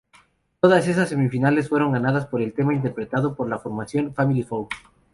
Todas estas semifinales fueron ganadas por el tema interpretado por la formación "Family Four".